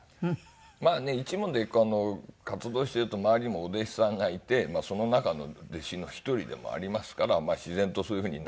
まあね一門で活動していると周りにもお弟子さんがいてその中の弟子の一人でもありますから自然とそういうふうになっていっちゃうんですよね。